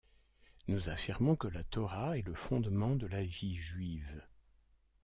Nous affirmons que la Torah est le fondement de la vie juive.